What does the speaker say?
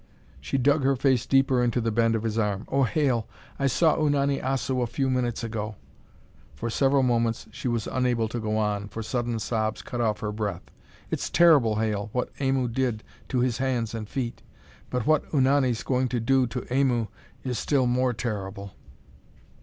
She dug her face deeper into the bend of his arm. "Oh, Hale! I saw Unani Assu a few minutes ago." For several moments she was unable to go on, for sudden sobs cut off her breath. "It's terrible, Hale, what Aimu did to his hands and feet, but what Unani's going to do to Aimu is still more terrible."